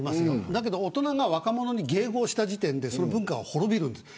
だけど大人が若者に迎合した時点でその文化は滅びるんです。